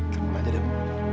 teman aja deh